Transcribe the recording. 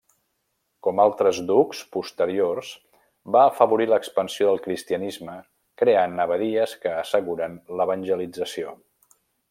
Com altres ducs posteriors va afavorir l'expansió del cristianisme creant abadies que asseguren l'evangelització.